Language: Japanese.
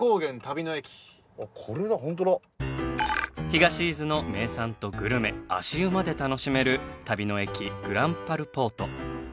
東伊豆の名産とグルメ足湯まで楽しめる旅の駅ぐらんぱるぽーと。